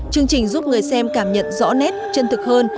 chương trình giúp người xem cảm nhận rõ nét chân thực hơn